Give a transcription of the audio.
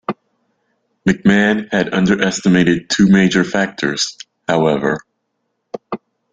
McMahon had underestimated two major factors, however.